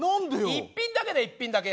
１品だけだよ１品だけ。